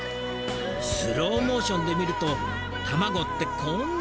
スローモーションで見ると卵ってこんなに波打ってるんだ！